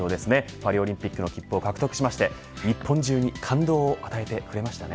パリオリンピックの切符を獲得しまして、日本中に感動を与えてくれましたね。